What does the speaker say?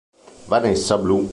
Vanessa Blue